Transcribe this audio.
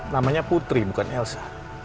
namanya putri bukan elsa